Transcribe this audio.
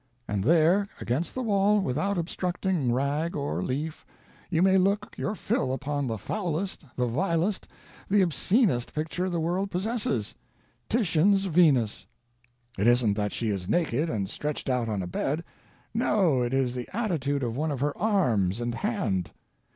and there, against the wall, without obstructing rag or leaf, you may look your fill upon the foulest, the vilest, the obscenest picture the world possesses Titian's Venus. It isn't that she is naked and stretched out on a bed no, it is the attitude of one of her arms and hand.